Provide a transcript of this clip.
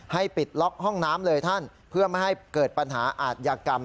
ปิดล็อกห้องน้ำเลยท่านเพื่อไม่ให้เกิดปัญหาอาทยากรรม